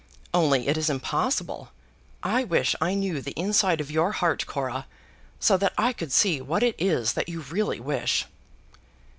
"Only it is impossible. I wish I knew the inside of your heart, Cora, so that I could see what it is that you really wish."